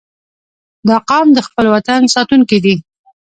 • دا قوم د خپل وطن ساتونکي دي.